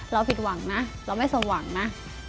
ผิดหวังนะเราไม่สมหวังนะ